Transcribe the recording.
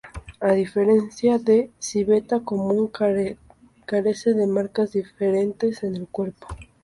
A diferencia de civeta común, carece de marcas diferentes en el cuerpo.